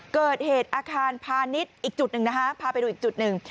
เกิดเหตุอาคารพาณิชย์อีกจุดหนึ่งนะฮะพาไปดูอีกจุดหนึ่ง